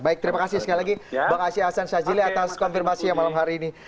baik terima kasih sekali lagi bang aceh hasan sajili atas konfirmasi yang malam hari ini